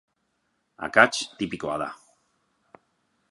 Akats tipikoa da.